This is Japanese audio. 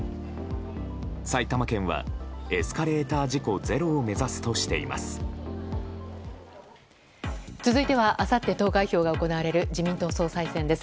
埼玉県はエスカレーター事故ゼロを目指すとしています。